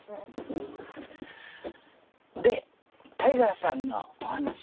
でタイガーさんのお話。